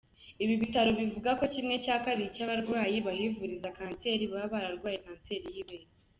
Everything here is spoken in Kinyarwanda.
Ibi bitaro bivuga ko ½ cy’ abarwayi bahivuriza kanseri baba barwaye kanseri y’ ibere.